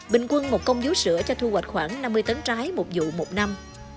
bình quân một công dúa sữa cho thu hoạch khoảng năm mươi tấn trái một vụ một năm